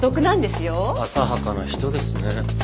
浅はかな人ですね。